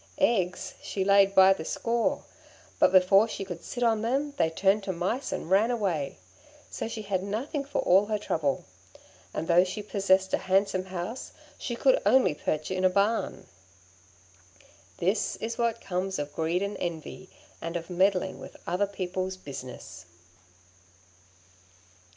Eggs she laid by the score, but before she could sit on them they turned to mice and ran away. So she had nothing for all her trouble; and though she possessed a handsome house, she could only perch in a barn. This is what comes of greed and envy, and of meddling with other people's business."